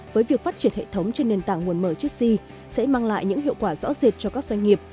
với việc phát triển hệ thống trên nền tảng nguồn mở chessy sẽ mang lại những hiệu quả rõ rệt cho các doanh nghiệp